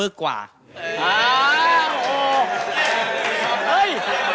ง่าย